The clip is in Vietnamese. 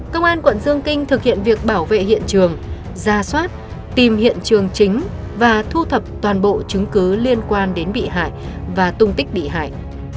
công an quận dương kinh thực hiện việc bảo vệ hiện trường ra soát tìm hiện trường chính và thu thập toàn bộ chứng cứ liên quan đến bị hại và tung tích bị hại